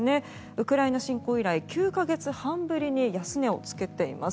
ウクライナ侵攻以来９か月半ぶりに安値をつけています。